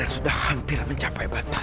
aku harus mengacau sesuatu